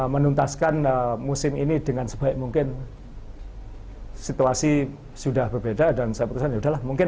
menuntaskan musim ini dengan sebaik mungkin situasi sudah berbeda dan saya putuskan yaudahlah mungkin